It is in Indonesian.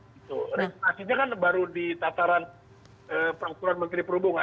resultasinya kan baru di tataran perangkuran menteri perhubungan